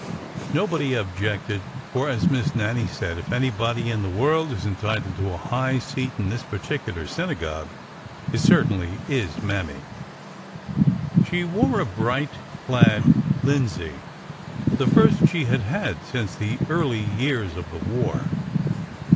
Nobody objected, for, as Miss Nannie said : If any body in the world is entitled to a high seat in this particu lar synagogue, it certainly is Mammy !" She wore a bright plaid linsey,— the first she had had since the early years of the war.